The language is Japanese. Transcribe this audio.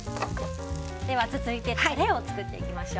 続いてタレを作っていきましょう。